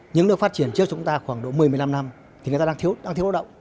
những nước phát triển trước chúng ta khoảng độ một mươi một mươi năm năm thì người ta đang thiếu lao động